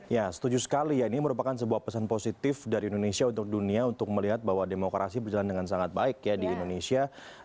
ya setuju sekali ya ini merupakan sebuah pesan positif dari indonesia untuk dunia untuk melihat bahwa demokrasi berjalan dengan sangat baik ya di indonesia